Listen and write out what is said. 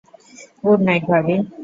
Good night, ভাবি!